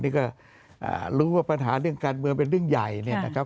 นี่ก็รู้ว่าปัญหาเรื่องการเมืองเป็นเรื่องใหญ่เนี่ยนะครับ